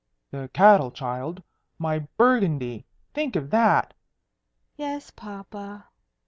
"The cattle, child! my Burgundy! Think of that!" "Yes, papa."